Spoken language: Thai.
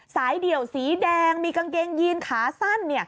เดี่ยวสีแดงมีกางเกงยีนขาสั้น